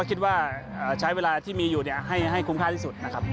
คิดว่าใช้เวลาที่มีอยู่ให้คุ้มค่าที่สุดนะครับ